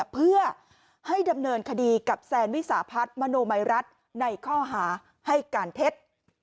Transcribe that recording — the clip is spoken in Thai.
เพื่อให้ดำเนินคดีกับแซนวิสาพัฒน์มโนมัยรัฐในข้อหาให้การเท็จ